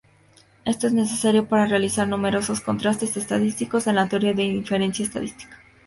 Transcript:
Esto es necesario para realizar numerosos contrastes estadísticos en la teoría de inferencia estadística.